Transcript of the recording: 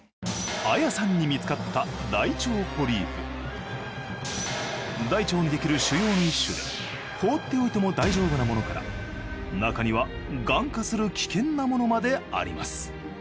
ＡＹＡさんに見つかった大腸にできる腫瘍の一種で放っておいても大丈夫なものから中にはがん化する危険なものまであります。